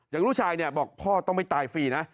อย่างลูกชายบอกพ่อต้องไปตายฟรีนะ